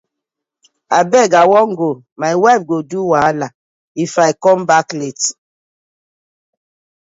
Abeg I wan go, my wife go do wahala If com back late.